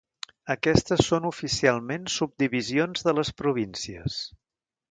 Aquestes són oficialment subdivisions de les províncies.